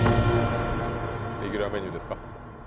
レギュラーメニューですか？